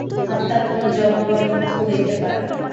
আত্মার কোন জন্ম বা মৃত্যু হইতে পারে না।